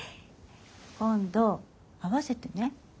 今度会わせてね。